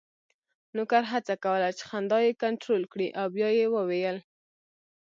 نوکر هڅه کوله چې خندا یې کنټرول کړي او بیا یې وویل: